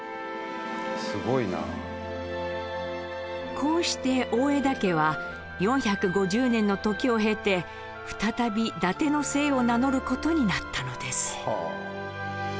こうして大條家は４５０年の時を経て再び伊達の姓を名乗る事になったのです。